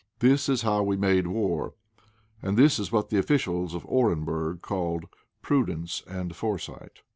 This is how we made war, and this is what the officials of Orenburg called prudence and foresight.